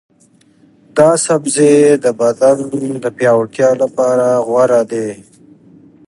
دا سبزی د بدن د پیاوړتیا لپاره غوره دی.